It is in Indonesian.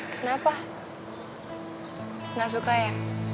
kenapa gak suka ya